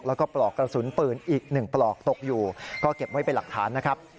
แล้วก็ปลอกกระสุนปืนอีก๑ปลอกตกอยู่ก็เก็บไว้เป็นหลักฐานนะครับ